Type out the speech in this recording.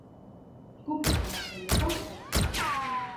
ჯგუფის შემადგენლობა მზად იყო.